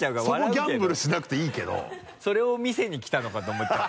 そこギャンブルしなくていいけどそれを見せに来たのかと思っちゃう。